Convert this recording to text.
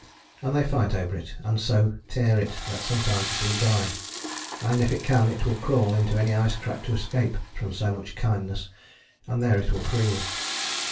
And they fight over it, and so tear it that sometimes it will die. And, if it can, it will crawl into any ice crack to escape from so much kindness, and there it will freeze.